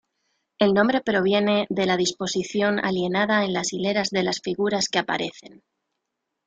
El nombre proviene de la disposición alineada en hileras de las figuras que aparecen.